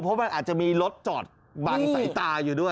เพราะมันอาจจะมีรถจอดบังสายตาอยู่ด้วย